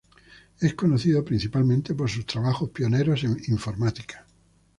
Es conocido principalmente por sus trabajos pioneros en informática.